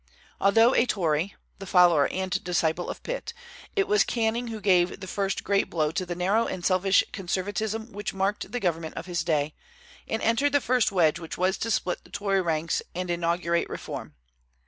Although a Tory, the follower and disciple of Pitt, it was Canning who gave the first great blow to the narrow and selfish conservatism which marked the government of his day, and entered the first wedge which was to split the Tory ranks and inaugurate reform.